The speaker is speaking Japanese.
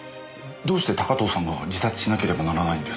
どうして高塔さんが自殺しなければならないんです？